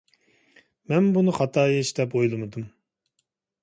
مەنمۇ بۇنى خاتا ئىش دەپ ئويلىمىدىم.